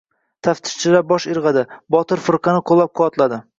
Taftishchilar bosh irg‘adi. Botir firqani qo‘llab-quvvatladi.